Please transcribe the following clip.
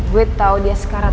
gue tau dia sekarat